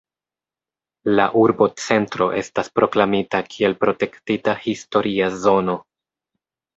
La urbocentro estas proklamita kiel protektita historia zono.